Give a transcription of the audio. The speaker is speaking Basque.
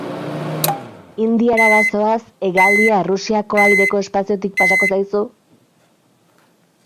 Indiara bazoaz hegaldia Errusiako aireko espaziotik pasako zaizu?